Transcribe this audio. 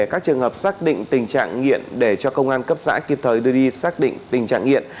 các trường hợp xác định tình trạng nghiện để cho công an cấp xã kịp thời đưa đi xác định tình trạng nghiện